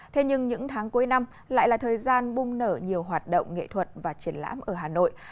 thế nhưng những tháng cuối năm lại là thời gian bung nở nhiều hoạt động nghệ thuật và triển lãm ở hà nội